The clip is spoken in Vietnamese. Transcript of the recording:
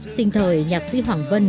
sinh thời nhạc sĩ hoàng vân